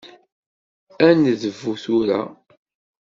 Ad nedbu tura?